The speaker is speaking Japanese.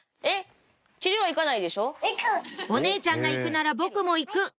「お姉ちゃんが行くなら僕も行く」